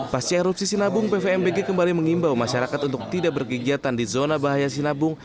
pas erupsi sinabung pvmbg kembali mengimbau masyarakat untuk tidak berkegiatan di zona bahaya sinabung